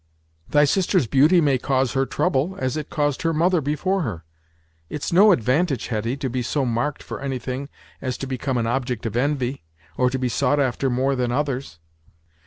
Thy sister's beauty may cause her trouble, as it caused her mother before her. It's no advantage, Hetty, to be so marked for anything as to become an object of envy, or to be sought after more than others."